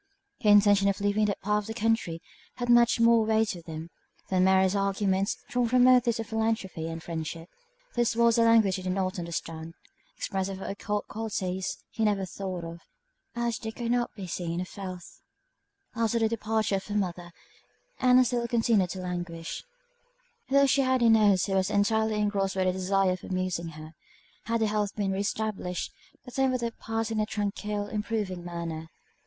Her intention of leaving that part of the country, had much more weight with him, than Mary's arguments, drawn from motives of philanthropy and friendship; this was a language he did not understand; expressive of occult qualities he never thought of, as they could not be seen or felt. After the departure of her mother, Ann still continued to languish, though she had a nurse who was entirely engrossed by the desire of amusing her. Had her health been re established, the time would have passed in a tranquil, improving manner.